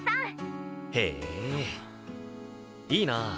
へえいいな。